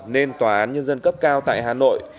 nên tòa án nhân dân cấp cao tại hà nội